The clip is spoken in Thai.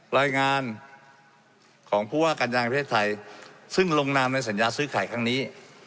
รายงานของผู้ว่าการยางประเทศไทยซึ่งลงนามในสัญญาซื้อขายครั้งนี้